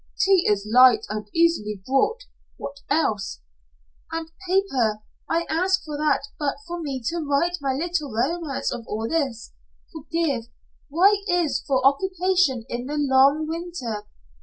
"Tea is light and easily brought. What else?" "And paper. I ask for that but for me to write my little romance of all this forgive it is for occupation in the long winter.